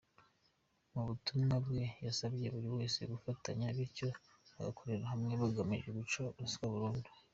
Mu butumwa bwe yasabye buri wese gufatanya bityo bagakorera hamwe hagamijwe guca ruswa burundu .